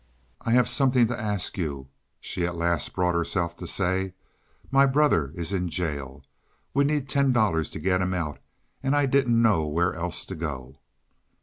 "I have something to ask you," she at last brought herself to say. "My brother is in jail. We need ten dollars to get him out, and I didn't know where else to go."